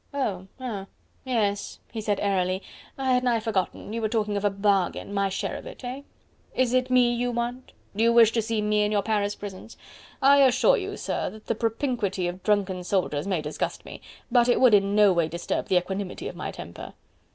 "Oh!... ah!... yes!" he said airily, "I had nigh forgotten... you were talking of a bargain... my share of it... eh?... Is it me you want?... Do you wish to see me in your Paris prisons?... I assure you, sir, that the propinquity of drunken soldiers may disgust me, but it would in no way disturb the equanimity of my temper."